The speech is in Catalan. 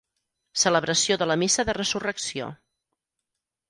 Celebració de la Missa de Resurrecció.